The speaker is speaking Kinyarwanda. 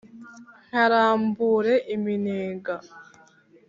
Nkarambure iminega,